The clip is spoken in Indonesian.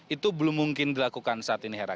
itu belum mungkin dilakukan saat ini hera